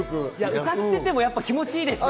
歌ってても気持ちいいです。